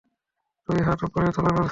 দুই হাত ওপরে তোলো বলছি।